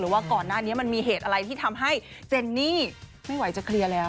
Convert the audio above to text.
ว่าก่อนหน้านี้มันมีเหตุอะไรที่ทำให้เจนนี่ไม่ไหวจะเคลียร์แล้ว